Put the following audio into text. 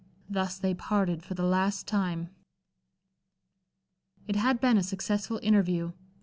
Thus they parted for the last time. It had been a successful interview.